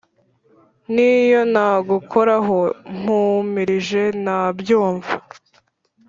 Niyo nagukoraho mpumirije nabyumva